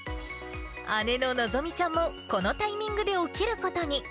姉ののぞみちゃんも、このタイミングで起きることに。